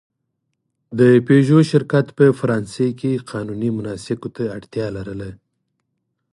د پيژو شرکت په فرانسې کې قانوني مناسکو ته اړتیا لرله.